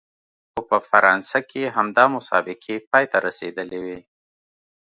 خو په فرانسه کې همدا مسابقې پای ته رسېدلې وې.